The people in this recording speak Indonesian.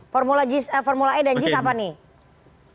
formula jis eh formula e dan jis apa nih